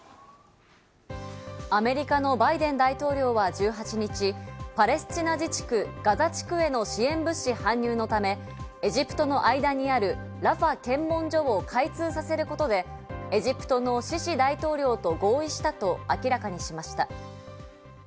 アメリカのバイデン大統領は１８日、パレスチナ自治区ガザ地区への支援物資搬入のため、エジプトの間にあるラファ検問所を開通させることで、エジプトのシシ大統領と合意したと明らかにしました。